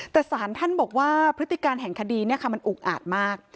แต่สารท่านบอกว่าพฤติการแห่งคดีมันอุกอาดมาก